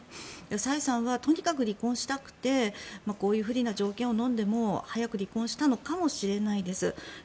サイさんはとにかく離婚したくてこういう不利な条件をのんでも早く離婚したのかもしれないです。